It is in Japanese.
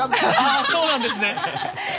あそうなんですね！